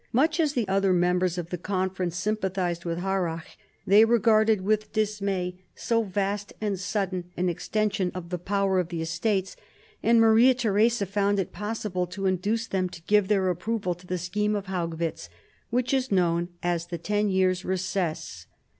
Much as the other members of the Conference sympathised with Harrach, they regarded with dismay so vast and sudden an extension of the power of the Estates, and Maria Theresa found it possible to induce them to give their approval to the scheme of Haugwitz, which is known as the Ten Years' Recess.